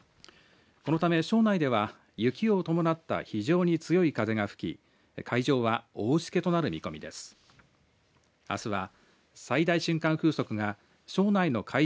このため、庄内では雪を伴った非常に強い風が吹き海上は大しけとなる見込みです。